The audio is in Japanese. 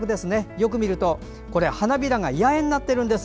よく見ると、花びらが八重になってるんです。